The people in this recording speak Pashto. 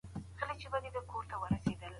پرېږده بېلوتۍ واعظه، وخت دی د بلبل او ګل